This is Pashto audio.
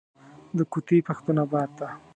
زه ځم د کوتي پښتون اباد ته.